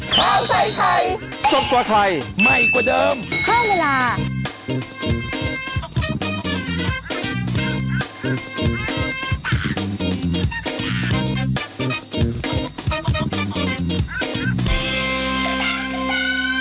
โปรดติดตามตอนต่อไป